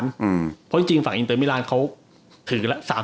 ๔๐ดิวนะพากิมฟร้าอิงเตอร์เมลานเขาถือ๓๘๖ล้านยูโร